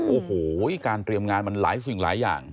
โอ้โหการเตรียมงานมันหลายสิ่งหลายอย่าง